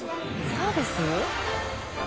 サービス？